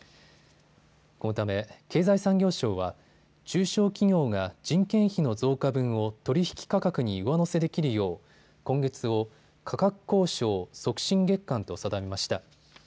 このため経済産業省は中小企業が人件費の増加分を取引価格に上乗せできるよう今月を価格交渉促進月間と定めました。